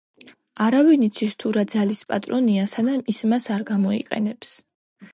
„არავინ იცის თუ რა ძალის პატრონია, სანამ ის მას არ გამოიყენებს.”